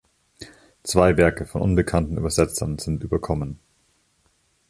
Zwei Werke von unbekannten Übersetzern sind überkommen.